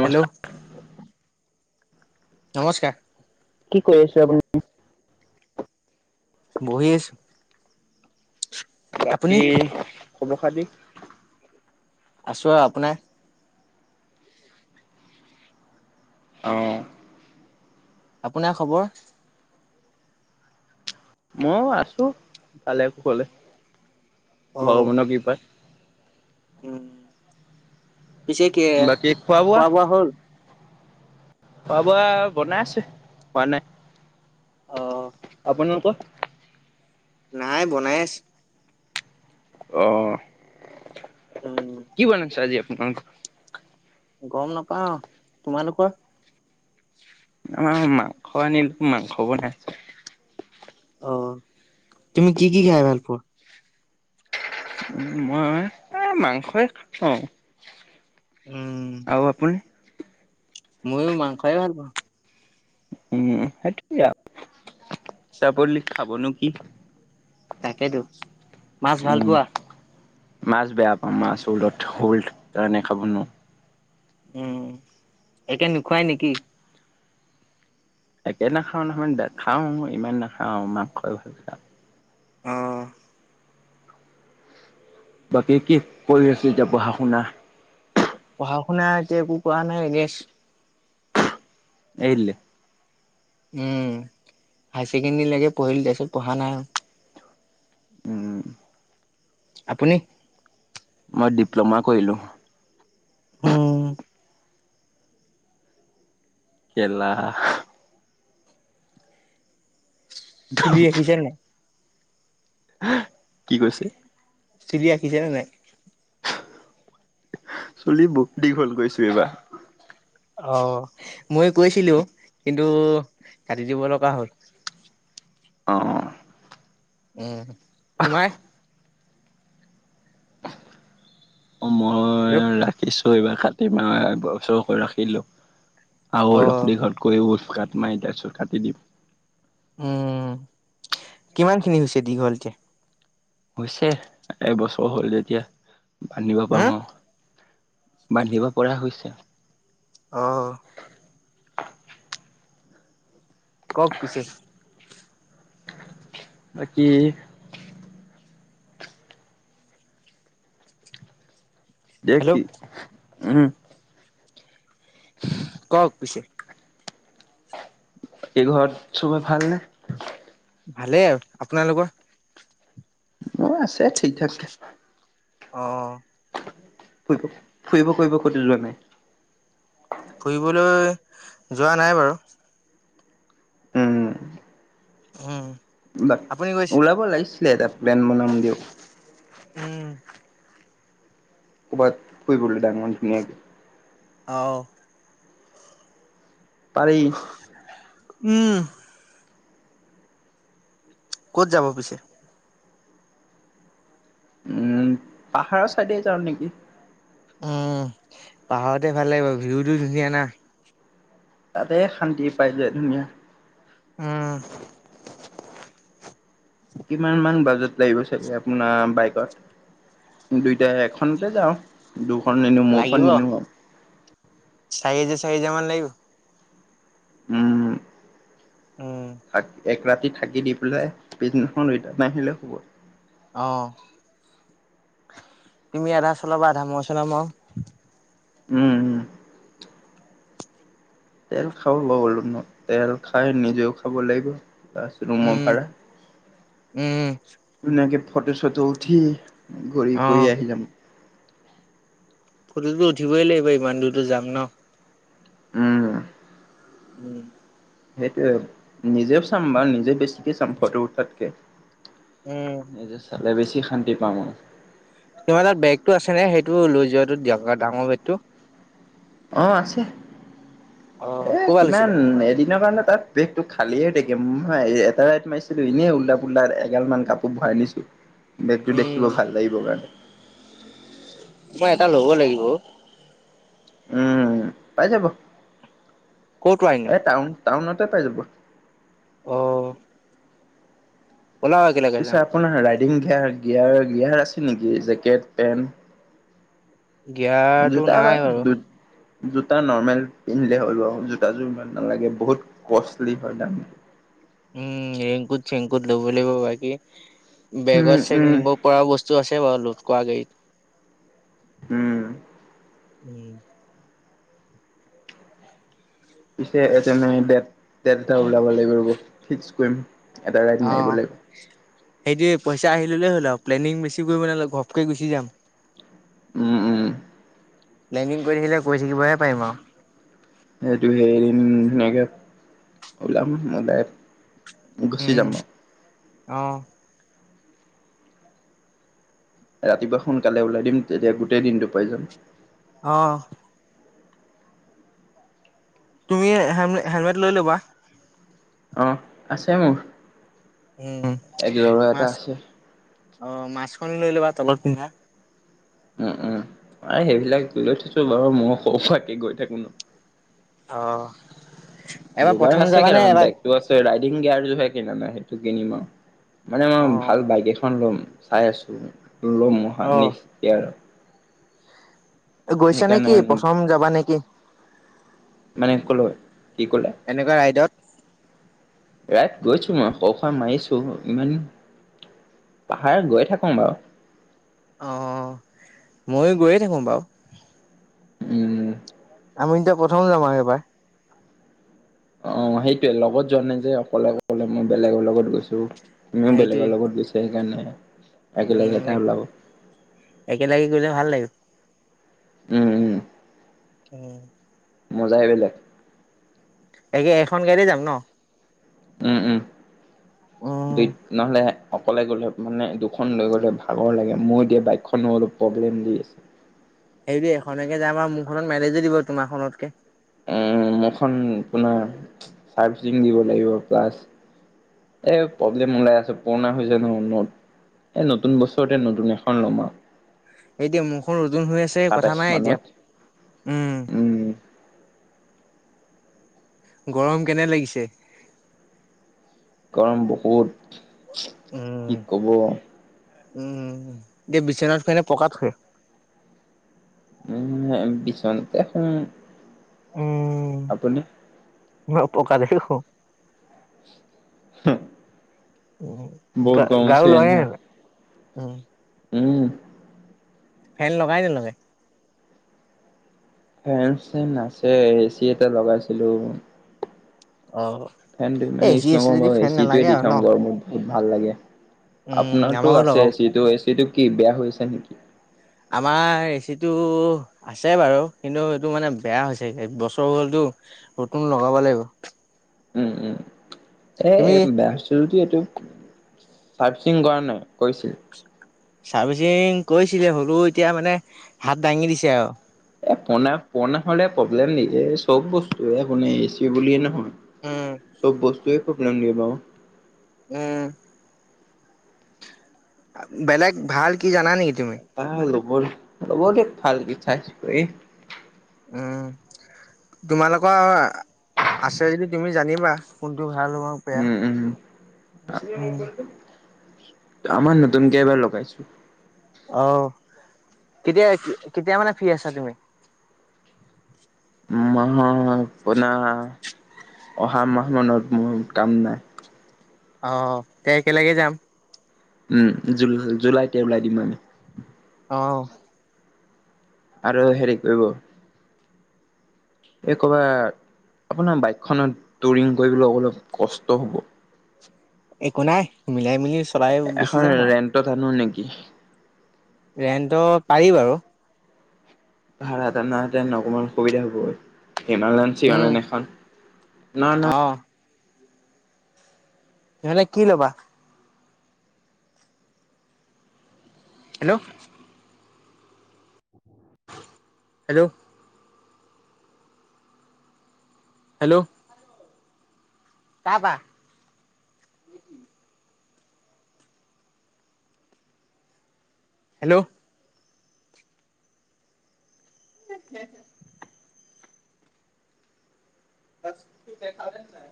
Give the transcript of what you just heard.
নমস্কাৰ। হেল্ল'- নমস্কাৰ। কি কৰি আছে আপুনি? বহিআছো। আপুনি? বাকী খবৰ খাতি। আছো আৰু আপোনাৰ? অ'। আপোনাৰ খবৰ? ময়ো আছো ভালে কুশলে। অ ভগৱানৰ কৃপাত। উম পিছে কি খোৱা বোৱা হ'ল? হ'ব আৰু বনাই আছে। হোৱা নাই। অ আপোনালোকৰ? নাই বনাই আছে। অ'। উম কি বনাইছে আজি আপোনালোকৰ? গম নাপাওঁ। তোমালোকৰ? আমাৰ মাংস আনিলো মাংস বনাইছো। অ' তুমি কি কি খাই ভাল পোৱা। উম মই এই মাংসই খাওঁ। উম। আৰু আপুনি? ময়ো মাংসই ভাল পাওঁ। উম সেইটোৱে আ। তাকেইটো মাছ ভাল উম। পোৱা? মাছ বেয়া পাওঁ মাছ শলত শ'ল কাৰণে খাব নোৱাৰো। উম একে নোখুৱাই নেকি? একে নাখাওঁ নহয় খাওঁ ইমান নাখাওঁ মাংসই ভাল পাওঁ। অ'হ। বাকী কি কৰি আছে এতিয়া পঢ়া শুনা? পঢ়া শুনা এতিয়া একো কৰাোৱা নাই এনে আছো। এৰি দিলে? উম হাই ছেকেণ্ডৰী লৈকে পঢ়িলো তাৰ পিছত পঢ়া নাই আৰু। উম। আপুনি? মই ডিপ্ল'মা কৰিলো। অ'। কে লা। চুলি ৰাখিছেনে নাই? কি কৈছে? চুলি ৰাখিছেনে নাই? চুলি বহুত দীঘল কৰিছোঁ এইবাৰ। অ' মই কৈছিলো কিন্তু কাটি দিব লগা হ'ল। অ'হ। উম তোমাৰ? মই ৰ। ৰাখিছো এইবাৰ কটিম আ এবছৰকৈ ৰাখিলো। আৰু অ', আপুনি ঘৰত কৰিব। কাটিম আ এতিয়া চব কাটি দিম। উম কিমান খিনি হৈছে দীঘল এতিয়া হৈছে এবছৰ হ'ল যেতিয়া। বান্ধিব হা? পাৰো আৰু। বান্ধিব পৰা হৈছে অ', কওক পিছে বাকী হেল্ল' দেখি উম কওক পিছে এইঘৰত চবে ভাল নে ভালেই আৰু আপোনালোকৰ অ আছে ঠিক আছে অ ফুৰিব ফুৰিব ফুৰিব কুতি যোৱা নাই ফুৰিবলৈ যোৱা নাই বাৰু উম বা আপুনি গৈছে? ওলাব লাগিছিলে এটা প্লেন বনাই দেও উম ক'ৰবাত শুই পৰিল ডাঙমান ধুনিয়াকে আহ পাৰি উম ক'ত যাব পিছে। উম পাহাৰৰ চাইডে যাওঁ নেকি। উম পাহাৰতে ভাল লাগিব ভিউটো ধুনীয়া না তাতে শান্তি পাই যায় ওম ওম। উম কিমান মান বাজত লাগিব চাগে আপোনাৰ বাইকত দুইটাাই এখনতে যাও। সন্নি নিম স্ নিম চাইনিজ চাই হেজাৰ মান লাগিব উম উম। তাক এক ৰাতি থাকি দি পেলাই পিছনেখন ৰিটাৰ্ণ আহিলে হব আহ তুমি আধা চলাবা আধা মই চলাম আৰু উম উম তেল খা ব ব'লো ন তেল খাই নিজেও খাব লাগিব। পছ ৰুমৰ উম, ভাড়া উম, ধুনাকে। ফটো চটো উঠি। ঘূৰি কৰি অ', আহি যাম। ফটোটো উঠিবই লাগিব ইমান দূৰৰতো যাম ন। উম উম সেইটোয়ে নিজেও চাম বা নিজে বেছিকে চাম ফটো উঠাতকে উম, এইয চালে বেছি কি শান্তি পাওঁ আৰু তোমাৰ তাত বেগতটো আছে নে সেইটো লৈ যোৱাটো দিয়ক আৰু ডাঙৰ বেগটো আহ আছে অ', এ ক'ৰ পৰা কিমান লৈছিলা? এদিনৰ কাৰণে তাত বেগটো খালিয়ে দেখে নাই এটা মাৰিছিলো এনেই উওল্লা পোল্লা এগাল মান কাপোৰ ভৰাই নিছো বেগটো উম, দেখিব ভাল লাগিব কাৰণে মই এটা ল'ব লাগিব উম পাই যাব কত আই নো এই টাউন টাউনতে পাই যাব আহ বলা এগে পিছে যাও আপোনাৰ ৰাইডিং গিয়াৰ গিয়াৰ গিয়াৰ আছে নেকি জেকেট পেণ্ট দিয়টো নাই বাৰু জোতা নৰ্মেল পিন্ধিলে হ'ল আৰু জোতাযোৰ ইমান নালাগে বহুত কষ্টলি হয় না উম ৰেংকুজ চেংকুত লব লাগিব বাকি উম, বেগত চেগ উম, নিব পৰা বস্তু আছে বাৰুল কোৱা গেই উম উম পিছে তেনে দেত দেত এটা ওলাব লাগিব ৰ'ব ফিক্স কৰিম এটা গাড়ত মাৰিব অ', লাগিব সেইটোৱে পইচা আহি ল'লেই হ'ল আৰু প্লেনিং বেছি কৰিব নালাগে ঘপকৈ গুচি যাম উম উম প্লেলিং কৰি থাকিলে কৰি থাকিবহে পাৰিম আৰু সেইটো সেই এদিন ধুনীয়াকে ওলাম মজাই গুচি যাম আহ ৰাতিপুৱা সোনকালে ওলাই দিম তেতিয়া গোটেই দিনটো পাই যাম আহ তুমি হেলমেট লৈ ল'বা অ আছে মোৰ উম। একজৰা এটা মাস্ক আছে অ মাছখন লৈ ল'বা তলত পিন্ধা উম উম অ সেইবিলাক ত লৈ থৈছু মই সৌফাকে গৈ থাকো ন অ', এবাৰ যোগাৰ প্ৰথম আছে যাবা নে কেইটামান এবাৰ বেগতটো আছে ৰাই গাৰ জোহে কেনা নাই সেইটো কিনিম আৰু মানে মই অ', ভাল বাইক এখন লম। চাই আছো। লম অ', [unintelligible] গৈছা সেইকাৰণে নেকি প্ৰথম যাবা নেকি? মানে কলৈ? এনেকুৱা ৰাইডত? ৰাইড গৈছো মই [unintelligible] মাৰিছো ইমান পাহাৰত গৈ থাকো বাৰু। অ' ময়ো গৈয়ে থাকো বাৰু। উম। আমি এতিয়া প্ৰথম যাম আৰু এইবাৰ। অ' সেইটোৱে লগত যোৱা নাই যে অকলে অকলে মই বেলেগৰ লগত গৈছো। তুমিও সেইটোৱে বেলেগৰ লগত গৈছা সেইকাৰণে। একেলগে উম এটা ওলাব একেলগে গলে ভাল লাগে। উম উম। উম। মজা আহিব বেলেগ। একে এখন গাড়ীতে যাম ন? উম উম। দু উম। নহলে অকলে গ'লে মানে দুখন লৈ গ'লে ভাগৰ লাগে মোৰ এতিয়া বাইকখনো অলপ প্ৰব্লেম দি আছে। হেৰি এখননেকে যাম আৰু মোৰখনত মিলেজো দিব তোমাৰখনতকে। উ মোৰখন আপোনাৰ চাৰ্ভিচিং দিব লাগিব প্লাচ এই প্ৰব্লেম ওলাই আছে পুৰণা হৈছে ন ন এই নতুন বছৰতে নতুন এখন ল'ম আৰু। এতিয়া মোৰখন নতুন হৈ আছে কথা সাতাইশ নাই মানত এতিয়া উম। উম গৰম কেনে লাগিছে? গৰম বহুত। উম কি কব উম এতিয়া বিচনাত শুৱে নে পকাত শুৱে? উম বিছনাতে শুম। উম আপুনি? মই পকাতে‌ শু হ উ গাৰু লয় নে নলয়? উ উম ফেন লগাই নে নলগাই ফেন চেন আছে এ চি এটা লগাইছিলো অ ফেনটো এ ইমান এচি ইউজ আছে নকৰোঁ যদি বাৰু এ ফেন চিয়ে নালাগে দি আৰু ন থওঁ গৰমূ ভাল লাগে। উম আপনাৰটো আমাৰো আছে লগাওক এ চি টো হৈ সেইটো কি বেয়া হৈ হৈছে নেকি। আমাৰ এচিটো আছে বাৰু কিন্তু এইটো মানে বেয়া হৈছে বছৰ হ'লতো নতুন লগাব লাগিব। উম উম এ তুমি বেয়া হৈছে যদিও এইট চাৰ্ভিসিং কৰান নাই কৈছে। চাৰ্ভিচিং কৈছিলে, হলেও এতিয়া মানে হাত দাঙি দিছে আৰু। এ পোনে পৰনা হ'লে প্ৰব্লেম ন এই চব বস্তুয়েই এই বুলি এচি বুলিয়ে নহয়। উম। কিহত প্ৰব্লম দিয়ে বাও। উম। বেলেগ ভাল কি জা না নেকি তুমি। ব'ল ল'ব দিয়ক ফাল পিঠাইছ কৰি। উম, তোমালোকৰ আছে যদি তুমি জানিবা কোনটো ভাল পাওঁ পেয়া। আ। আমাৰ নতুনকে এবাৰ লগাইছো। আহ, কেতিয়া আহিছিল, কেতিয়া মানে ফি আছা তুমি। মাহত আপোনাৰ অহা মাহ মানত মোৰ কাম নাই। অ, তে একেলগে যাম। উম জুল জুলাইতে ওলাই দিম আমি। অ। আৰু হেৰি কৰিব। এই ক'বাৰ আপোনাৰ বাইকখনত টোৰিং কৰিবলৈ অলপ কষ্ট হ'ব। একো নাই মিলাই মিলি চলাই গুচি এখন যাম ৰেন্টত আনো নেকি [inaudible] ৰেণ্টৰ পাৰি বাৰু। ভাড়াত আনাহতেন অকণমান অসুবিধা হ'ব উম, [unintelligible] এখন না না অ'। ইঁহতক কি ল'বা। হেল্ল'। হেল্ল'। হেল্ল'। কাপা। হেল্ল'। [inaudible] তছ তে খাল নাই।